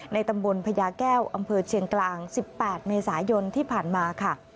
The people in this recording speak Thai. ในตำบลพญาแก้วอำเภอเชียงกลางสิบแปดในสายนที่ผ่านมาค่ะ